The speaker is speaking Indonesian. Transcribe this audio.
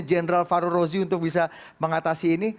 general fahrul rozi untuk bisa mengatasi ini